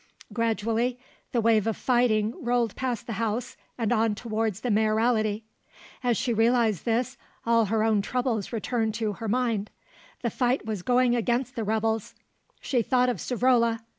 Gradually the wave of fighting rolled past the house and on towards the Mayoralty. As she realised this, all her own troubles returned to her mind. The fight was going against the rebels; she thought of Savrola.